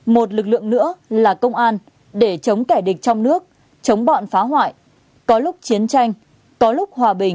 một lực lượng nữa là công an để chống kẻ địch trong nước chống bọn phá hoại có lúc chiến tranh có lúc hòa bình